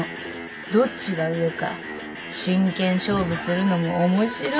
どっちが上か真剣勝負するのも面白いじゃん。